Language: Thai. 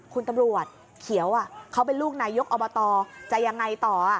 คุณตำรวจเขียวเขาเป็นลูกนายกอบตจะยังไงต่อ